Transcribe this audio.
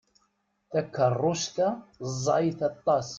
Takeṛṛust-a ẓẓayet aṭas.